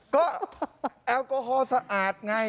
ก็แอลกอฮอล์สะอาดไง